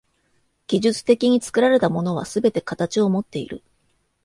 技術的に作られたものはすべて形をもっている。